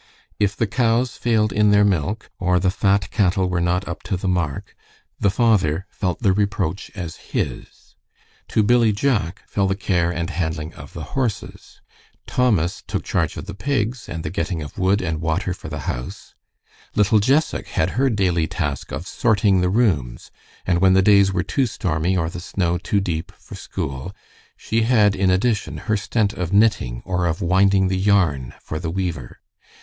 If the cows failed in their milk, or the fat cattle were not up to the mark, the father felt the reproach as his; to Billy Jack fell the care and handling of the horses; Thomas took charge of the pigs, and the getting of wood and water for the house; little Jessac had her daily task of "sorting the rooms," and when the days were too stormy or the snow too deep for school, she had in addition her stent of knitting or of winding the yarn for the weaver.